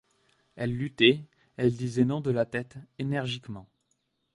Elle luttait, elle disait non de la tête, énergiquement.